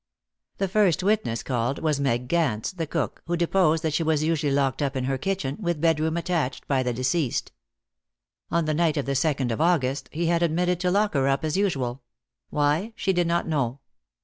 The first witness called was Meg Gance, the cook, who deposed that she was usually locked up in her kitchen, with bedroom attached, by the deceased. On the night of the second of August he had omitted to lock her up as usual why, she did not know.